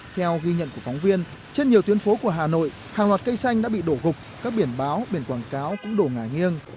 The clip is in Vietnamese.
theo ghi nhận của phóng viên trên nhiều tuyến phố của hà nội hàng loạt cây xanh đã bị đổ gục các biển báo biển quảng cáo cũng đổ ngả nghiêng